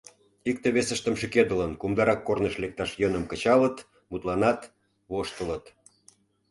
Икте-весыштым шӱкедылын, кумдарак корныш лекташ йӧным кычалыт, мутланат, воштылыт.